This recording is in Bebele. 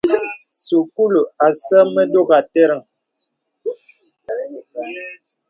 Sūkūlu asə mə dògà àtərəŋ.